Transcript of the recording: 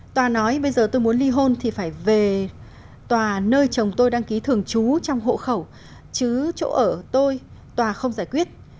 tòa nói bây giờ tôi muốn ly hôn thì phải về tòa nơi chồng tôi đăng ký thường trú trong hộ khẩu chứ chỗ ở tôi tòa không giải quyết